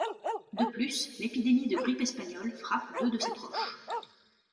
De plus, l'épidémie de grippe espagnole frappe deux de ses proches.